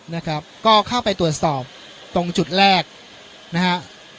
นะครับก็เข้าไปตรวจสอบตรงจุดแรกนะฮะ